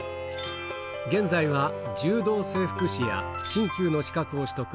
現在は、柔道整復師や、しんきゅうの資格を取得。